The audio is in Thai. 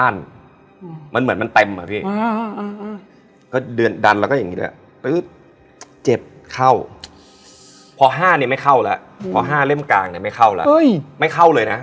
อันนี้เหมือนคุยรอบเลย